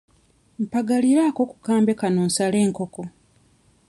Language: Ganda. Mpagaliraako ku kambe kano nsale enkoko.